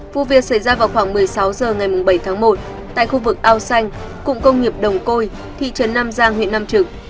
vụ việc xảy ra vào khoảng một mươi sáu h ngày bảy tháng một tại khu vực ao xanh cụng công nghiệp đồng côi thị trấn nam giang huyện nam trực